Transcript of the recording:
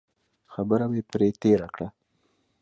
خبره به یې پرې تېره کړه.